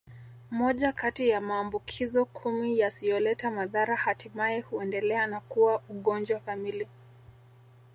Moja kati ya maambukizo kumi yasiyoleta madhara hatimaye huendelea na kuwa ugonjwa kamili